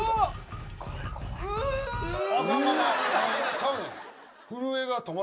ちゃうねん。